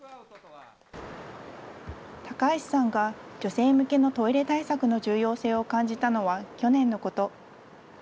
高橋さんが女性向けのトイレ対策の重要性を感じたのは去年のこと。